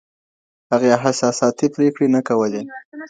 هغې احساساتي پرېکړې نه کولې.